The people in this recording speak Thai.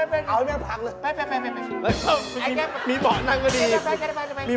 ไปเอาเพราะแล้วผังเลยไป